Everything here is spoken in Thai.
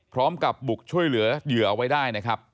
พร้อมกับบุกช่วยเหลือเหยื่อเอาไว้ได้นะครับ